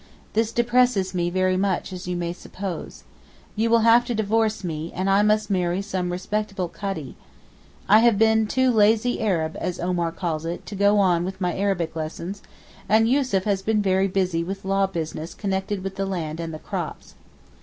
This depresses me very much as you may suppose. You will have to divorce me, and I must marry some respectable Kadee. I have been too 'lazy Arab,' as Omar calls it, to go on with my Arabic lessons, and Yussuf has been very busy with law business connected with the land and the crops.